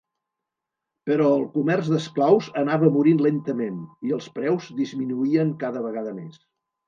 Però el comerç d'esclaus anava morint lentament, i els preus disminuïen cada vegada més.